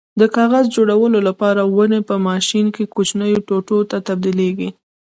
د کاغذ جوړولو لپاره ونې په ماشین کې کوچنیو ټوټو ته تبدیلېږي.